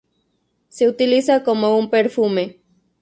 Se utiliza como un perfume.